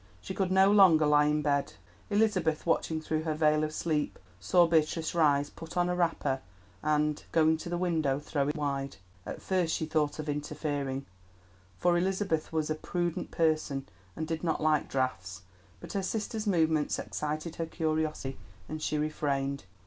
She could no longer lie in bed. Elizabeth, watching through her veil of sleep, saw Beatrice rise, put on a wrapper, and, going to the window, throw it wide. At first she thought of interfering, for Elizabeth was a prudent person and did not like draughts; but her sister's movements excited her curiosity, and she refrained.